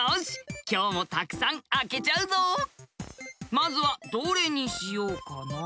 まずはどれにしようかな？